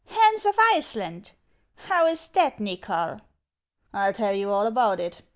Hans of Iceland ! How is that, Nychol?" " I'll tell you. all about it.